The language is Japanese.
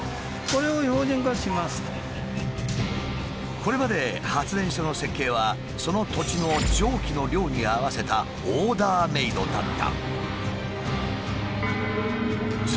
これまで発電所の設計はその土地の蒸気の量に合わせたオーダーメイドだった。